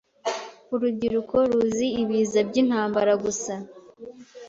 Urubyiruko ruzi ibiza byintambara gusa.